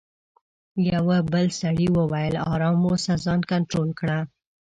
یوه بل سړي وویل: آرام اوسه، ځان کنټرول کړه.